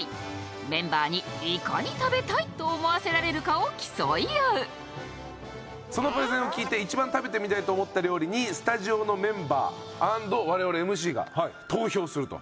メンバーにいかに食べたいと思わせられるかを競い合うそのプレゼンを聞いていちばん食べてみたいと思った料理にスタジオのメンバー＆我々ＭＣが投票すると。